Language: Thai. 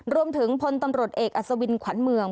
รวมถึงพลตำรวจเอกอสวินขวัญเมือง